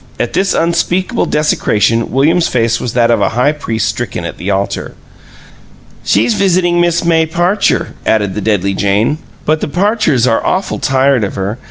At this unspeakable desecration William's face was that of a high priest stricken at the altar. "She's visitin' Miss May Parcher," added the deadly Jane. "But the Parchers are awful tired of her.